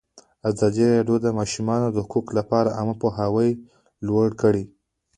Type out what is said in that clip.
ازادي راډیو د د ماشومانو حقونه لپاره عامه پوهاوي لوړ کړی.